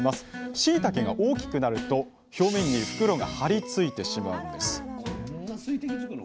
しいたけが大きくなると表面に袋が張り付いてしまうんですこんな水滴つくの？